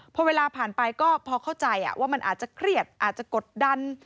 พอเวลาผ่านไปก็พอเข้าใจว่ามันอาจจะเครียดอาจจะกดดัน